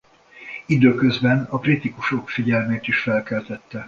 Időközben a kritikusok figyelmét is felkeltette.